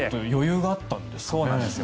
ちょっと余裕があったんですね。